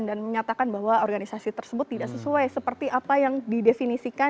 dan menyatakan bahwa organisasi tersebut tidak sesuai seperti apa yang didefinisikan